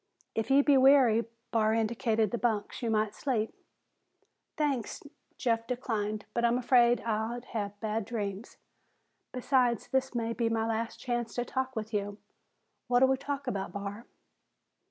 "If you be weary," Barr indicated the bunks, "you might sleep." "Thanks," Jeff declined, "but I'm afraid I'd have bad dreams. Besides, this may be my last chance to talk with you. What'll we talk about, Barr?"